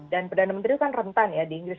dan perdana menteri kan rentan ya di inggris